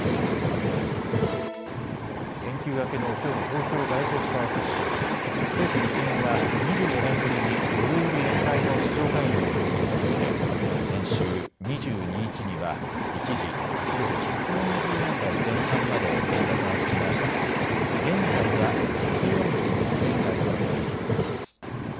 連休明けのきょうの東京外国為替市場、政府・日銀が２４年ぶりにドル売り円買いの市場介入に踏み切ったことで先週２２日には一時、１ドル１４０円台前半まで円高が進みましたが現在は１４３円台での取り引きとなっています。